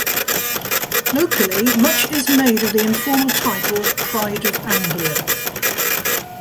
Locally, much is made of the informal title "Pride of Anglia".